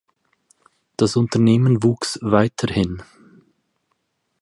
Das Unternehmen wuchs weiterhin.